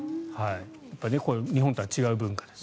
これ、日本とは違う文化です。